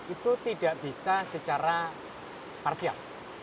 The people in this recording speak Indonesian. itu tidak bisa secara parsial